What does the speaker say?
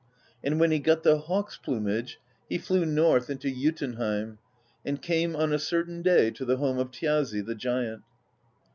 And when he got the hawk's plumage, he flew north into Jotunheim, and came on a cer tain day to the home of Thjazi the giant.